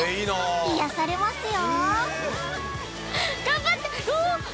癒やされますよ◆